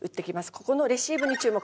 ここのレシーブに注目。